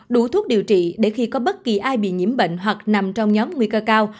đủ thuốc điều trị để khi có bất kỳ ai bị nhiễm bệnh hoặc nằm trong nhóm nguy cơ cao